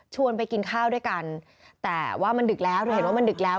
ไปกินข้าวด้วยกันแต่ว่ามันดึกแล้วเธอเห็นว่ามันดึกแล้ว